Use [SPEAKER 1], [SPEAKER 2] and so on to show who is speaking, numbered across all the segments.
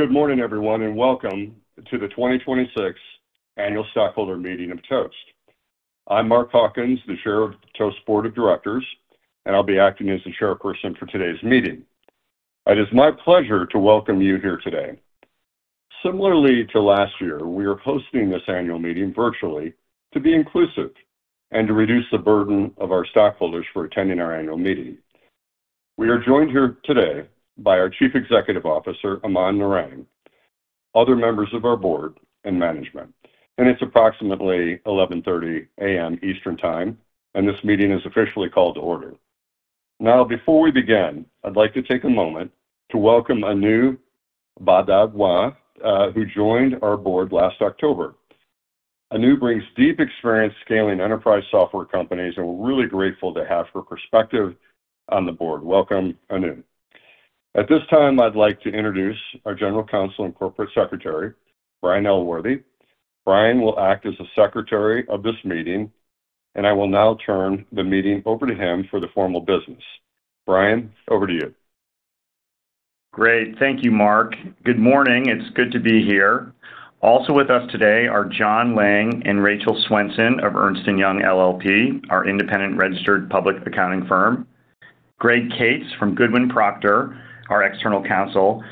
[SPEAKER 1] Good morning, everyone, and welcome to the 2026 Annual Stockholder Meeting of Toast. I'm Mark Hawkins, the Chair of Toast's board of directors, and I'll be acting as the chairperson for today's meeting. It is my pleasure to welcome you here today. Similarly to last year, we are hosting this annual meeting virtually to be inclusive and to reduce the burden of our stockholders for attending our annual meeting. We are joined here today by our Chief Executive Officer, Aman Narang, other members of our board, and management. It's approximately 11:30 A.M. Eastern Time, and this meeting is officially called to order. Before we begin, I'd like to take a moment to welcome Anu Bharadwaj, who joined our board last October. Anu brings deep experience scaling enterprise software companies, and we're really grateful to have her perspective on the board. Welcome, Anu. At this time, I'd like to introduce our General Counsel and Corporate Secretary, Brian Elworthy. Brian will act as the secretary of this meeting. I will now turn the meeting over to him for the formal business. Brian, over to you.
[SPEAKER 2] Great. Thank you, Mark. Good morning. It's good to be here. Also with us today are John Lang and Rachel Swenson of Ernst & Young LLP, our independent registered public accounting firm, Greg Kates from Goodwin Procter, our external counsel.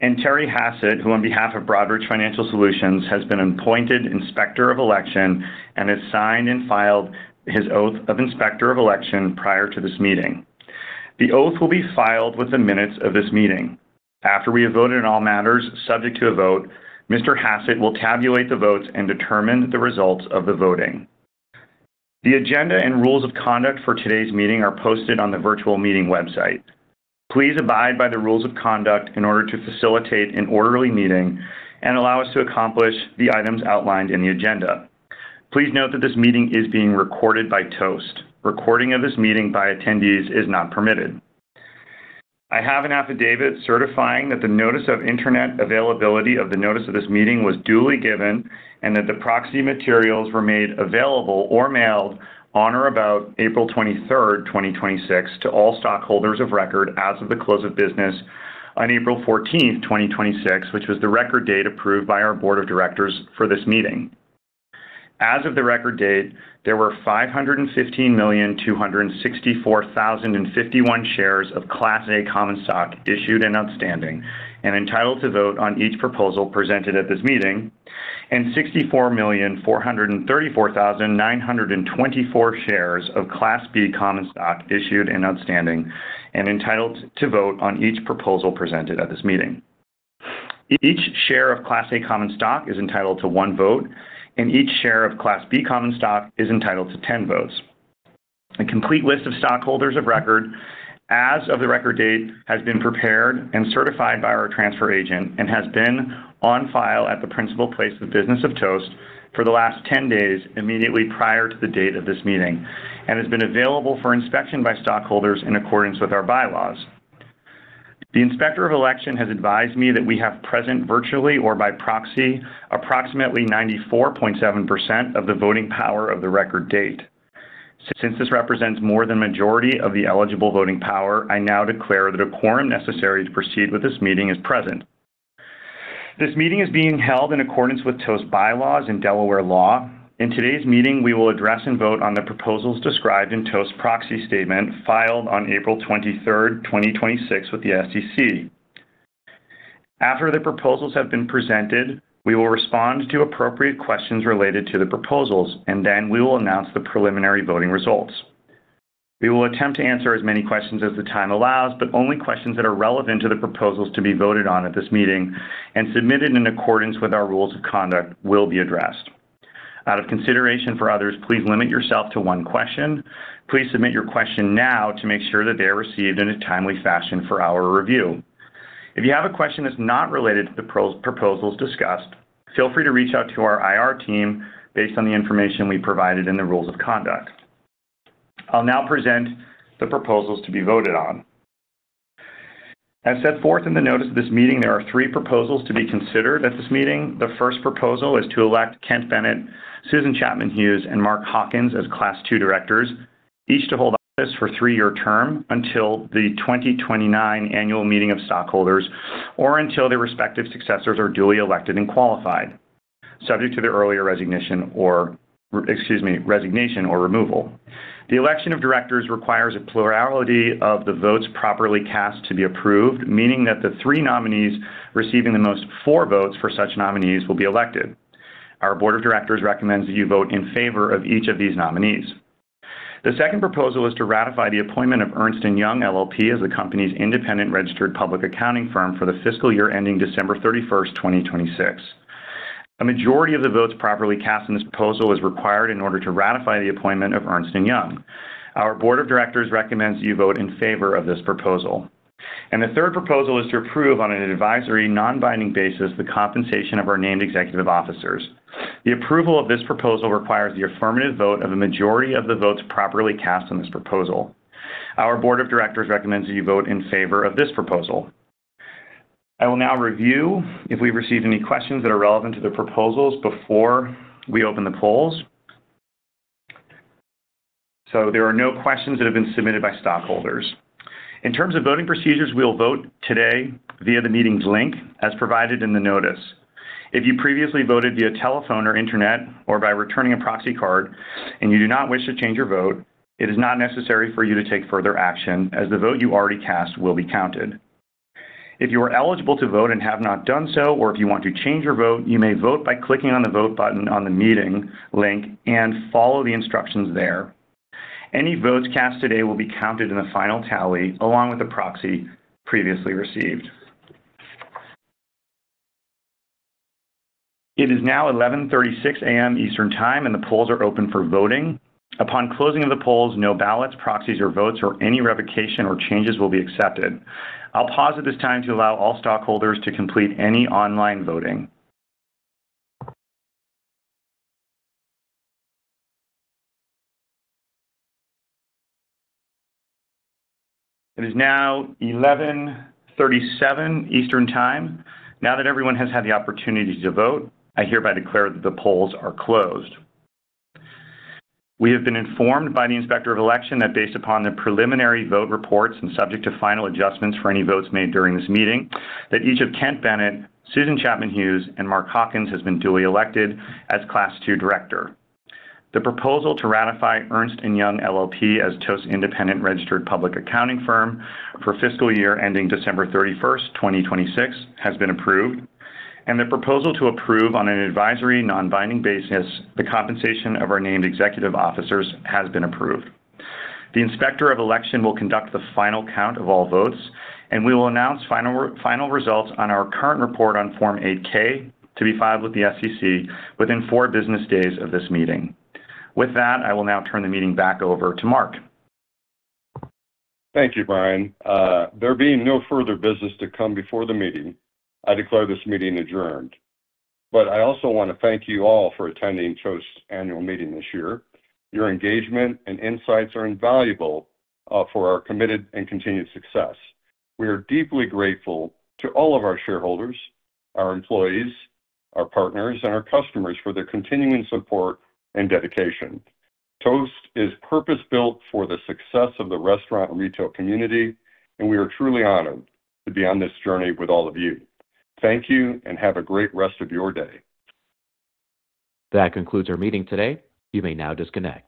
[SPEAKER 2] Terry Hassett, who on behalf of Broadridge Financial Solutions, has been appointed Inspector of Election and has signed and filed his oath of Inspector of Election prior to this meeting. The oath will be filed with the minutes of this meeting. After we have voted on all matters subject to a vote, Mr. Hassett will tabulate the votes and determine the results of the voting. The agenda and rules of conduct for today's meeting are posted on the virtual meeting website. Please abide by the rules of conduct in order to facilitate an orderly meeting and allow us to accomplish the items outlined in the agenda. Please note that this meeting is being recorded by Toast. Recording of this meeting by attendees is not permitted. I have an affidavit certifying that the notice of internet availability of the notice of this meeting was duly given, that the proxy materials were made available or mailed on or about April 23rd, 2026 to all stockholders of record as of the close of business on April 14th, 2026, which was the record date approved by our board of directors for this meeting. As of the record date, there were 515,264,051 shares of Class A common stock issued and outstanding and entitled to vote on each proposal presented at this meeting. 64,434,924 shares of Class B common stock issued and outstanding and entitled to vote on each proposal presented at this meeting. Each share of Class A common stock is entitled to one vote, and each share of Class B common stock is entitled to 10 votes. A complete list of stockholders of record as of the record date has been prepared and certified by our transfer agent and has been on file at the principal place of business of Toast for the last 10 days immediately prior to the date of this meeting and has been available for inspection by stockholders in accordance with our bylaws. The Inspector of Election has advised me that we have present virtually or by proxy approximately 94.7% of the voting power of the record date. This represents more than a majority of the eligible voting power, I now declare the quorum necessary to proceed with this meeting is present. This meeting is being held in accordance with Toast bylaws and Delaware law. In today's meeting, we will address and vote on the proposals described in Toast's proxy statement filed on April 23rd, 2026, with the SEC. After the proposals have been presented, we will respond to appropriate questions related to the proposals, then we will announce the preliminary voting results. We will attempt to answer as many questions as the time allows, only questions that are relevant to the proposals to be voted on at this meeting and submitted in accordance with our rules of conduct will be addressed. Out of consideration for others, please limit yourself to one question. Please submit your question now to make sure that they are received in a timely fashion for our review. If you have a question that's not related to the proposals discussed, feel free to reach out to our IR team based on the information we provided in the rules of conduct. I'll now present the proposals to be voted on. As set forth in the notice of this meeting, there are three proposals to be considered at this meeting. The first proposal is to elect Kent Bennett, Susan Chapman-Hughes, and Mark Hawkins as Class II directors, each to hold office for a three-year term until the 2029 annual meeting of stockholders, or until their respective successors are duly elected and qualified, subject to their earlier resignation or removal. The election of directors requires a plurality of the votes properly cast to be approved, meaning that the three nominees receiving the most floor votes for such nominees will be elected. Our board of directors recommends that you vote in favor of each of these nominees. The second proposal is to ratify the appointment of Ernst & Young LLP as the company's independent registered public accounting firm for the fiscal year ending December 31st, 2026. A majority of the votes properly cast on this proposal is required in order to ratify the appointment of Ernst & Young. Our board of directors recommends you vote in favor of this proposal. The third proposal is to approve on an advisory, non-binding basis the compensation of our named executive officers. The approval of this proposal requires the affirmative vote of a majority of the votes properly cast on this proposal. Our board of directors recommends that you vote in favor of this proposal. I will now review if we've received any questions that are relevant to the proposals before we open the polls. There are no questions that have been submitted by stockholders. In terms of voting procedures, we will vote today via the meetings link as provided in the notice. If you previously voted via telephone or internet or by returning a proxy card and you do not wish to change your vote, it is not necessary for you to take further action, as the vote you already cast will be counted. If you are eligible to vote and have not done so, or if you want to change your vote, you may vote by clicking on the vote button on the meeting link and follow the instructions there. Any votes cast today will be counted in the final tally, along with the proxy previously received. It is now 11:36 A.M. Eastern Time, and the polls are open for voting. Upon closing of the polls, no ballots, proxies, or votes or any revocation or changes will be accepted. I will pause at this time to allow all stockholders to complete any online voting. It is now 11:37 Eastern Time. Now that everyone has had the opportunity to vote, I hereby declare that the polls are closed. We have been informed by the Inspector of Election that based upon the preliminary vote reports and subject to final adjustments for any votes made during this meeting, that each of Kent Bennett, Susan Chapman-Hughes, and Mark Hawkins has been duly elected as Class 2 director. The proposal to ratify Ernst & Young LLP as Toast's independent registered public accounting firm for fiscal year ending December 31st, 2026, has been approved. The proposal to approve on an advisory non-binding basis the compensation of our named executive officers has been approved. The Inspector of Election will conduct the final count of all votes, and we will announce final results on our current report on Form 8-K to be filed with the SEC within four business days of this meeting. With that, I will now turn the meeting back over to Mark.
[SPEAKER 1] Thank you, Brian. There being no further business to come before the meeting, I declare this meeting adjourned. I also want to thank you all for attending Toast's annual meeting this year. Your engagement and insights are invaluable for our committed and continued success. We are deeply grateful to all of our shareholders, our employees, our partners, and our customers for their continuing support and dedication. Toast is purpose-built for the success of the restaurant and retail community, and we are truly honored to be on this journey with all of you. Thank you and have a great rest of your day.
[SPEAKER 2] That concludes our meeting today. You may now disconnect.